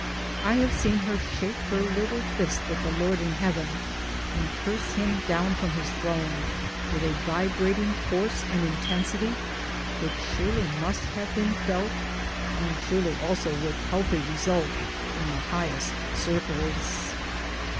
I have seen her shake her little fist at the Lord in heaven, and curse him down from 1 his throne, with a vibrating force and intensity which surely must have been felt (and surely also with healthy result) in the Highest Circles.